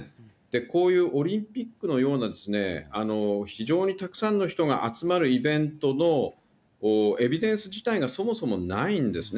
こういうオリンピックのような、非常にたくさんの人が集まるイベントのエビデンス自体が、そもそもないんですね。